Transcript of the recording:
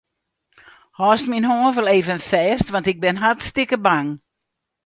Hâldst myn hân wol even fêst, want ik bin hartstikke bang.